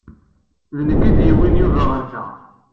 D nekk i d-yewwin Yuba ɣer da.